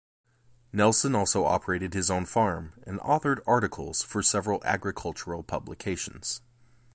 Nelson also operated his own farm, and authored articles for several agricultural publications.